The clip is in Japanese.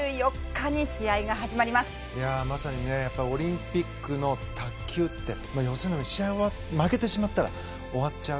いやまさにねやっぱりオリンピックの卓球って予選でも試合負けてしまったら終わっちゃう。